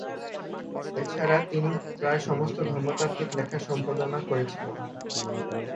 এছাড়া, তিনি প্রায় সমস্ত ধর্মতাত্ত্বিক লেখা সম্পাদনা করেছিলেন।